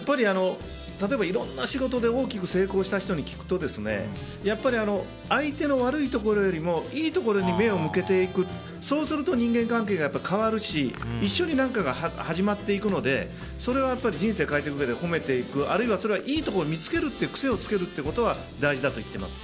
例えばいろんな仕事で大きく成功した人に聞くとやっぱり、相手の悪いところよりもいいところに目を向けていくそうすると人間関係が変わるし一緒に何かが始まっていくので人生を変えていくうえで褒めていく、いいところを見つけるっていう癖をつけるということは大事だと言っています。